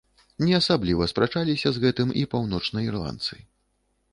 Не асабліва спрачаліся з гэтым і паўночнаірландцы.